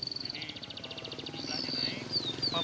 jadi apa hasilnya